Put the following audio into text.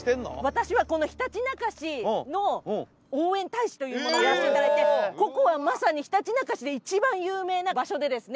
私はこのひたちなか市の応援大使というものをやらせていただいてここはまさにひたちなか市で一番有名な場所でですね